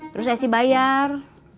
terus esy bayar